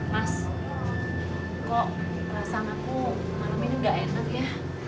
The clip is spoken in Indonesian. mas kok perasaan aku malam ini udah enak ya